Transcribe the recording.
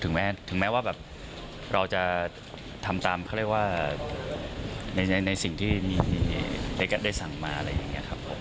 ถึงแม้ว่าเราจะทำตามในสิ่งที่ในการได้สั่งมาอะไรอย่างนี้ครับ